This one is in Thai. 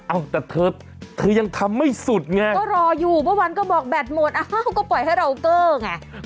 เอ้าแต่เธอเธอยังทำไม่สุดไงก็รออยู่เมื่อวานก็บอกแบตหมดอ้าวก็ปล่อยให้เราเกอร์ไง